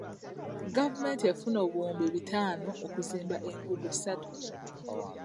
Gavumenti efuna obuwumbi bitaano okuzimba enguudo ssaatu.